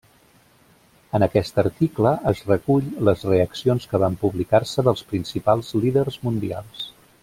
En aquest article es recull les reaccions que van publicar-se dels principals líders mundials.